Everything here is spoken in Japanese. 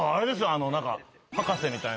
あの何か博士みたいな。